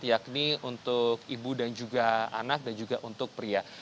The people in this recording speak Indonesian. yakni untuk ibu dan juga anak dan juga untuk pria